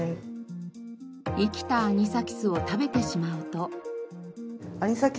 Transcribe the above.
生きたアニサキスを食べてしまうと。